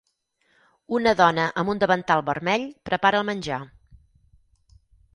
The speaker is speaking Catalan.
Una dona amb un davantal vermell prepara el menjar.